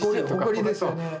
誇りですよね。